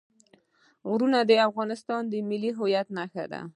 غرونه د افغانستان د ملي هویت نښه ده.